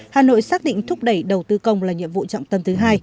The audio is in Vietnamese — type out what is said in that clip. hà nội xác định thúc đẩy đầu tư công là nhiệm vụ trọng tâm thứ hai